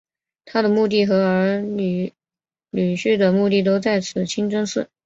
她的墓地和女儿女婿的墓地都在此清真寺。